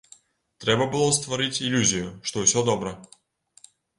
Трэба было стварыць ілюзію, што ўсё добра.